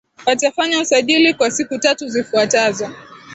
Watafanya usajili kwa siku tatu zifuatazo